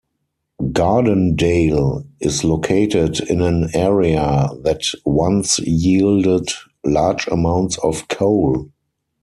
Gardendale is located in an area that once yielded large amounts of coal.